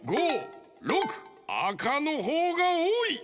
あかのほうがおおい。